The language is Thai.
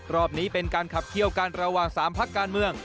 รอบนี้เป็นการขับเคี่ยวกันระหว่าง๓พักการเมือง